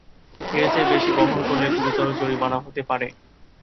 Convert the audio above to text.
এর চেয়ে বেশি বহন করলে গুরুতর জরিমানা হতে পারে।